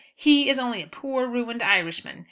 He is only a poor ruined Irishman.